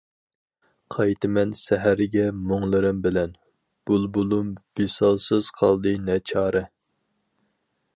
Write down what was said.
قايتىمەن سەھەرگە مۇڭلىرىم بىلەن، بۇلبۇلۇم ۋىسالسىز قالدى نە چارە.